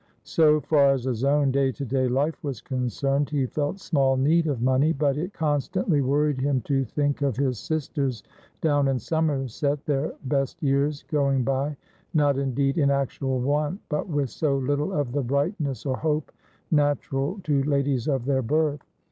So far as his own day to day life was concerned, he felt small need of money; but it constantly worried him to think of his sisters down in Somerset, their best years going by, not indeed in actual want, but with so little of the brightness or hope natural to ladies of their birth.